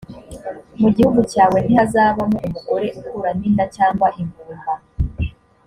mu gihugu cyawe ntihazabamo umugore ukuramo inda cyangwa ingumba